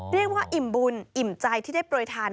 เรียกว่าอิ่มบุญอิ่มใจที่ได้โปรยทาน